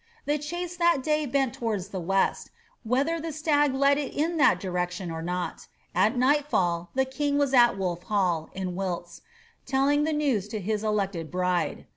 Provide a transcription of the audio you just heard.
The chase that day bent towards the west, whether the stag led it in that direction or not At nightfall the king was at Wolf HalU in Wilts, telling the news to his elected bride.